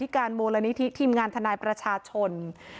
การมูลนิธิทีมงานทนายประชาชน